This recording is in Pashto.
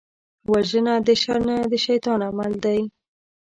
وژنه د شر نه، د شيطان عمل دی